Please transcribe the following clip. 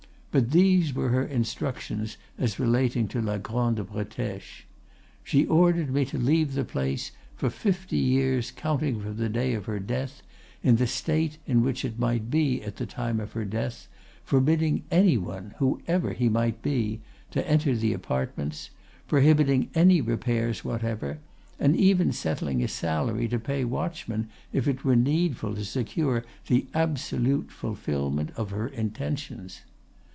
But these were her instructions as relating to la Grande Bretèche: She ordered me to leave the place, for fifty years counting from the day of her death, in the state in which it might be at the time of her death, forbidding any one, whoever he might be, to enter the apartments, prohibiting any repairs whatever, and even settling a salary to pay watchmen if it were needful to secure the absolute fulfilment of her intentions.